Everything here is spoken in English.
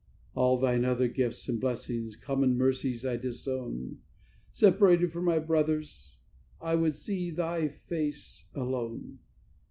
"All Thine other gifts and blessings, common mercies, I disown; Separated from my brothers, I would see Thy face alone.